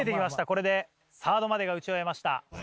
これでサードまでが打ち終えました。